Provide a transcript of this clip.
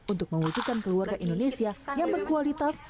untuk mewujudkan keluarga indonesia yang berkualitas